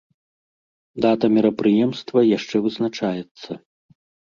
Дата мерапрыемства яшчэ вызначаецца.